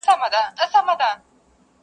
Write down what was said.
ویل کيږي چي کارګه ډېر زیات هوښیار دی!